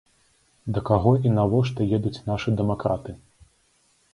Да каго і навошта едуць нашы дэмакраты?